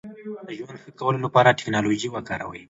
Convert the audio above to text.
د ژوند ښه کولو لپاره ټکنالوژي وکاروئ.